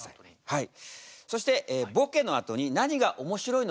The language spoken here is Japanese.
はい。